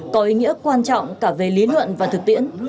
có ý nghĩa quan trọng cả về lý luận và thực tiễn